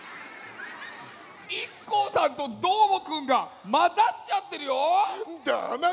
ＩＫＫＯさんとどーもくんがまざっちゃってるよ。